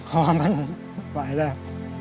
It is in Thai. คอมันไหวแล้ว